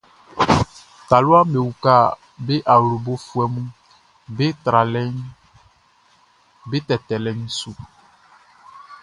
Taluaʼm be uka be awlobofuɛʼm be tralɛʼm be tɛtɛlɛʼn su.